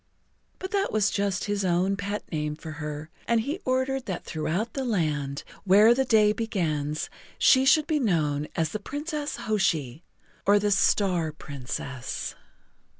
But that was just his own pet name for her, and he ordered that throughout the Land Where the Day Begins she should be known as the Princess Hoshi, or the Star Princess.